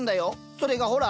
それがほら。